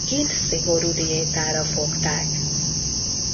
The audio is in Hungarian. Kint szigorú diétára fogták.